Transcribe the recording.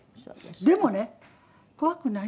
でもね怖くないよ。